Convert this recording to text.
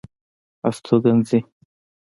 استوګنځي